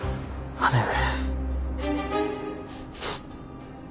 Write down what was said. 姉上！